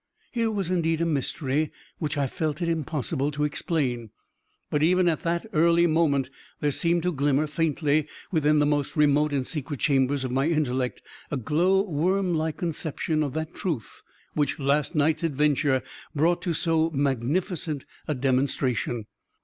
Here was indeed a mystery which I felt it impossible to explain; but, even at that early moment, there seemed to glimmer, faintly, within the most remote and secret chambers of my intellect, a glow worm like conception of that truth which last night's adventure brought to so magnificent a demonstration.